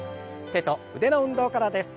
手と腕の運動からです。